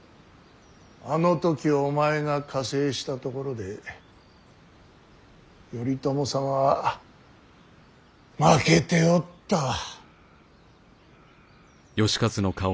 あの時お前が加勢したところで頼朝様は負けておったわ。